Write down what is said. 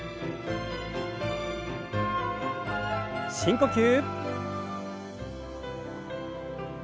深呼吸。